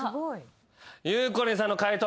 ゆうこりんさんの解答